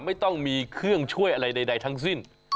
ไม่ต้องมีเครื่องช่วยอะไรใดทั้งสิ้น